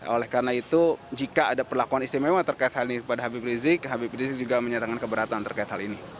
oleh karena itu jika ada perlakuan istimewa terkait hal ini kepada habib rizik habib rizik juga menyatakan keberatan terkait hal ini